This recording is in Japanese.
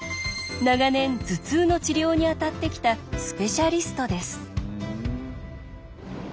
長年頭痛の治療にあたってきたスペシャリストです。